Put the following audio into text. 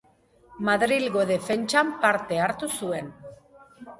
Madrilgo defentsan parte hartu zuen.